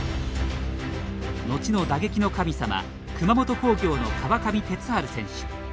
後の打撃の神様熊本工業の川上哲治選手。